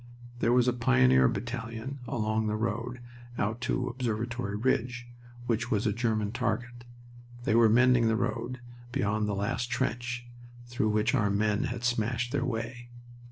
There was a Pioneer battalion along the road out to Observatory Ridge, which was a German target. They were mending the road beyond the last trench, through which our men had smashed their way.